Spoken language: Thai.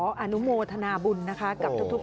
ยังไม่ให้มาทำใด